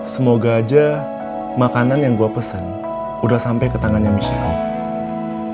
semoga aja makanan yang gue pesen udah sampai ke tangannya michelle